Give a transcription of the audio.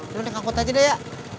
udah nih kangkut aja deh ya